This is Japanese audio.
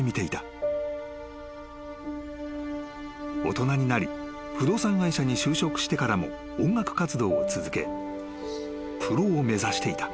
［大人になり不動産会社に就職してからも音楽活動を続けプロを目指していた］